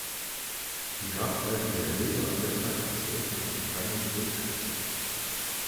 Die Radreifen der Räder an der Treibachse hatten keine Spurkränze.